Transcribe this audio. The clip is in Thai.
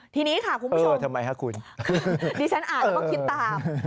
ทีนี้ค่ะคุณผู้ชมนี่ฉันอ่านแล้วก็คิดตาม